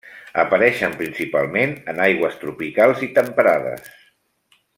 Apareixen principalment en aigües tropicals i temperades.